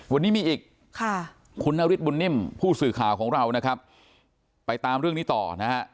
วันนี้มีอีกคุณนฤทธบุญนิ่มผู้สื่อข่าวของเรานะครับไปตามเรื่องนี้ต่อนะฮะ